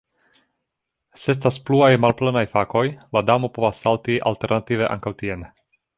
Se estas pluaj malplenaj fakoj, la damo povas salti alternative ankaŭ tien.